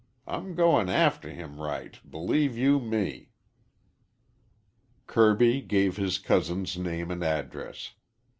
I'm going after him right, believe you me." Kirby gave his cousin's name and address.